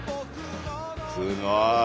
すごい！